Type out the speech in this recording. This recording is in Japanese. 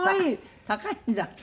高いんだって？